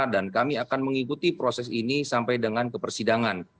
dan kami akan mengikuti proses ini sampai dengan kepersidangan